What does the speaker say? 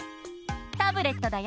タブレットだよ！